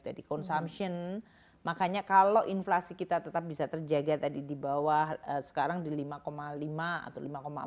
tadi consumption makanya kalau inflasi kita tetap bisa terjaga tadi di bawah sekarang di lima lima atau lima empat